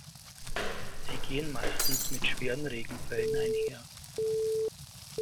Sie gehen meistens mit schweren Regenfällen einher.